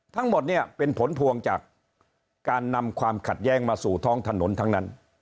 ทั้งหมดเนี่ยเป็นผลพวงจากการนำความขัดแย้งมาสู่ท้องถนนทั้งนั้น